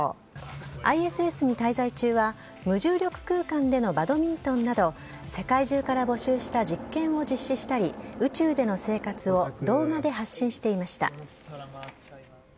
ＩＳＳに滞在中は無重力空間でのバドミントンなど、世界中から募集した実験を実施したり、宇宙での生活を動画で発信していました。